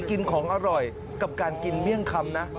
กินของอร่อยกับการกินเมี่ยงคำนะ